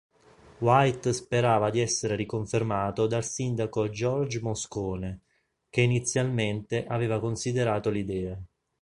White sperava di essere riconfermato dal sindaco George Moscone, che inizialmente aveva considerato l'idea.